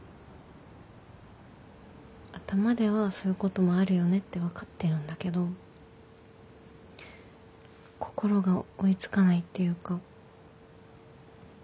頭ではそういうこともあるよねって分かってるんだけど心が追いつかないっていうか。